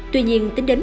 tuy nhiên tính đến